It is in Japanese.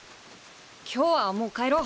今日はもう帰ろう。